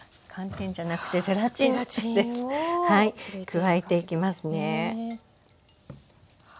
加えていきますね。